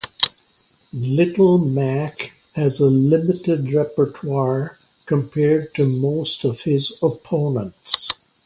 Little Mac has a limited repertoire compared to most of his opponents.